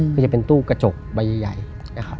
ก็จะเป็นตู้กระจกใบใหญ่นะครับ